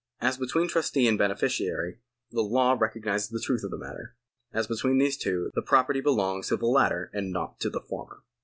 As between trustee and beneficiary, the law recognises the truth of the matter ; as between these two, the property belongs to the latter and not to the former.